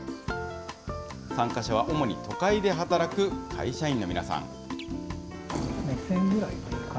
参加者は主に都会で働く会社員の皆さん。